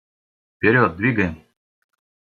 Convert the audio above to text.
Вперед, двигаем!